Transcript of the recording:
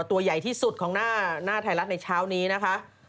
ตัวใหญ่ที่สุดของหน้าไทยรัฐในเช้านี้นะคะ